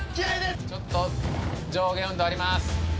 ちょっと上下運動あります